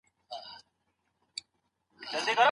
کوم کتابونه د څېړني لپاره مناسب دي؟